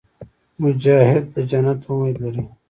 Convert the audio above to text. مجاهد د جنت امید لري.